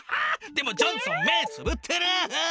でもジョンソン目つぶってる！